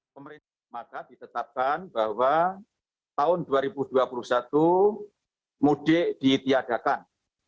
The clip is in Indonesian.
pemerintah maka ditetapkan bahwa tahun dua ribu dua puluh satu mudik ditiadakan